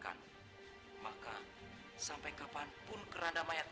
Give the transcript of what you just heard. jelas sama pak saya salah